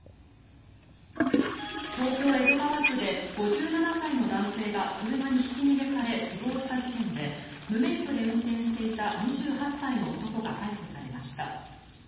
東京・江戸川区で５７歳の男性が車にひき逃げされ死亡した事件で無免許で運転していた２８歳の男が逮捕されました。